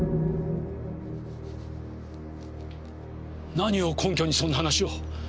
何を根拠にそんな話を？